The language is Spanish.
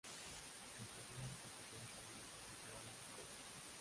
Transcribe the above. El torneo se jugó en formato round-robin.